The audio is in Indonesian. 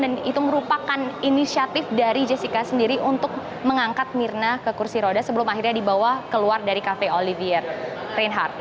dan itu merupakan inisiatif dari jessica sendiri untuk mengangkat mirna ke kursi roda sebelum akhirnya dibawa keluar dari cafe olivier reinhardt